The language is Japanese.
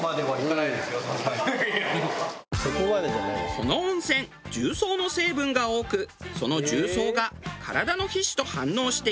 この温泉重曹の成分が多くその重曹が体の皮脂と反応して乳化。